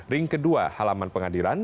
ring kedua halaman pengadilan